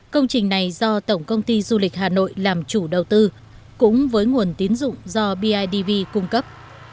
công trình này do tổng công ty du lịch hà nội làm chủ đầu tư cũng với nguồn tín dụng do bidv cung cấp